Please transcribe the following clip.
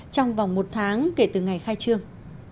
trong vòng một tháng kể từ ngày khai trương